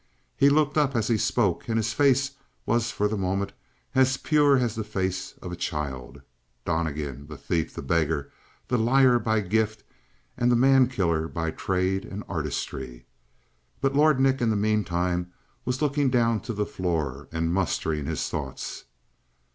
He looked up as he spoke, and his face was for the moment as pure as the face of a child Donnegan, the thief, the beggar, the liar by gift, and the man killer by trade and artistry. But Lord Nick in the meantime was looking down to the floor and mustering his thoughts.